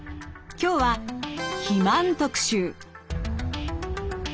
今日は「肥満特集」。